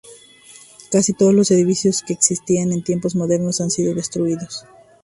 Casi todos los edificios que existían en Tiempos Modernos han sido destruidos.